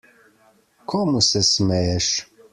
Komu se smeješ?